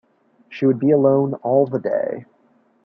She would be alone all the day.